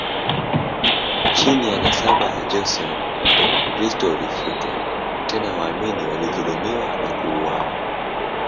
Chini ya nasaba ya Joseon, Ukristo ulifutwa, tena waamini walidhulumiwa na kuuawa.